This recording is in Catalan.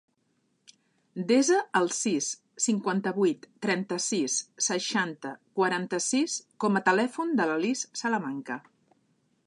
Desa el sis, cinquanta-vuit, trenta-sis, seixanta, quaranta-sis com a telèfon de la Lis Salamanca.